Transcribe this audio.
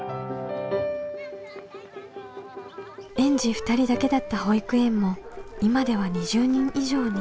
園児２人だけだった保育園も今では２０人以上に。